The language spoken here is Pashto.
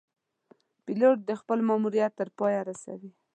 پیلوټ خپل ماموریت تر پایه رسوي.